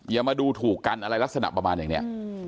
อย่ามาดูถูกกันอะไรลักษณะประมาณอย่างนี้